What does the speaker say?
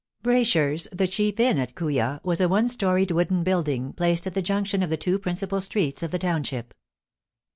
Braysher's, the chief inn at Kooya, was a one storied, wooden building, placed at the junction of the two principal streets of the township.